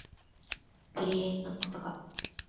クリリンのことか